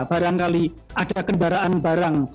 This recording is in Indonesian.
barangkali ada kendaraan barang